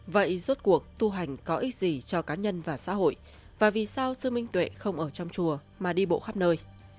vậy rốt cuộc tu hành có ích gì cho cá nhân và xã hội và vì sao sư minh tuệ không ở trong chùa mà đi bộ khắp nơi